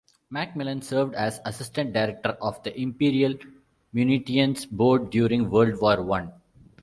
MacMillan served as Assistant Director of the Imperial Munitions Board during World War One.